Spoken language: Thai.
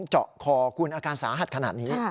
เจาะคอคุณอาการสาหัสขนาดนี้